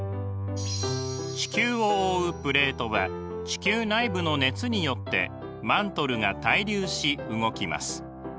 地球を覆うプレートは地球内部の熱によってマントルが対流し動きます。